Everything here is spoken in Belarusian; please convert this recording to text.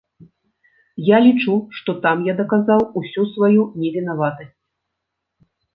Я лічу, што там я даказаў усю сваю невінаватасць.